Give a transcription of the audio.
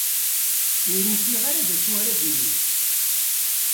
Ur ufiɣ ara d acu ara d-iniɣ.